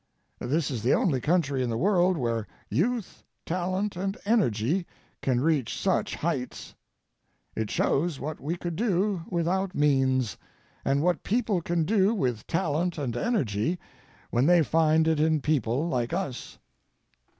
This is the only country in the world where youth, talent, and energy can reach such heights. It shows what we could do without means, and what people can do with talent and energy when they find it in people like us.